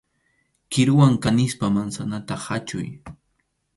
Kiruwan kanispa mansanata khachuy.